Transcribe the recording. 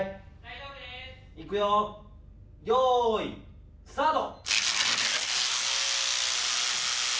いくよ用意スタート！